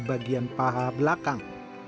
bagian paha belakang